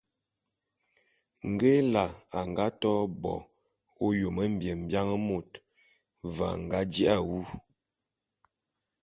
Nge Ela a to bo ôyôm mbiebian môt, ve a nga ji’a wu.